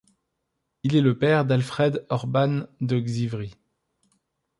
Il est le père d'Alfred Orban de Xivry.